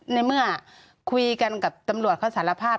ในเมื่อคุยกันกับตำรวจเขาสารภาพ